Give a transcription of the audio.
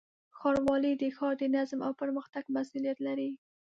ښاروالۍ د ښار د نظم او پرمختګ مسؤلیت لري.